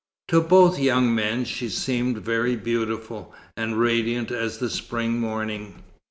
To both young men she seemed very beautiful, and radiant as the spring morning.